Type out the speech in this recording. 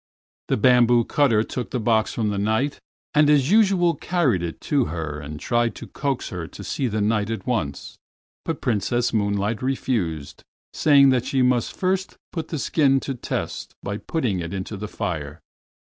The bamboo cutter took the box from the Knight and, as usual, carried it in to her and tried to coax her to see the Knight at once, but Princess Moonlight refused, saying that she must first put the skin to test by putting it into the fire.